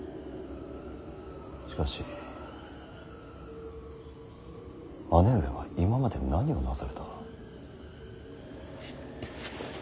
しかし姉上は今まで何をなされた。